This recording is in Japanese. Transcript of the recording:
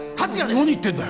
何言ってんだよ！？